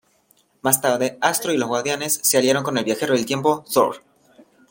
Más tarde, Astro y los Guardianes se aliaron con el viajero del tiempo Thor.